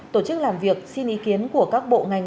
tổ chức làm việc xin ý kiến của các bộ ngành